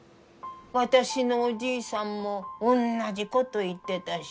私のおじいさんもおんなじこと言ってたし。